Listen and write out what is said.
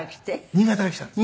新潟から来たんです。